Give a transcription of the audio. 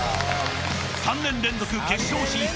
３年連続決勝進出